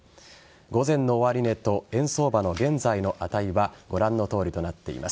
午前の終値と円相場の現在の値はご覧のとおりとなっています。